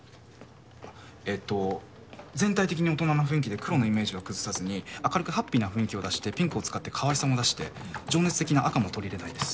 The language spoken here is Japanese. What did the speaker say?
えと全体的に大人な雰囲気で黒のイメージは崩さずに明るくハッピーな雰囲気を出してピンクを使って可愛さも出して情熱的な赤も取り入れたいです。